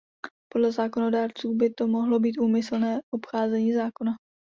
Podle zákonodárců by to mohlo být úmyslné obcházení zákona.